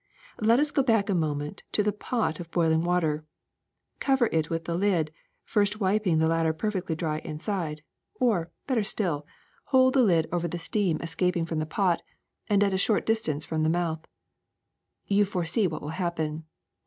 *'Let us go back a moment to the pot of boiling water. Cover it with the lid, first wiping the latter perfectly dry inside ; or, better still, hold the lid over 338 THE SECRET OF EVERYDAY THINGS the steam escaping from the pot, and at a short dis tance from the mouth. ^^You foresee what will happen.